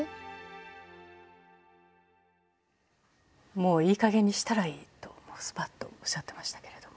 「もういいかげんにしたらいい」とスパッとおっしゃってましたけれども。